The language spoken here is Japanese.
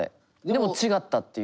でも違ったっていう。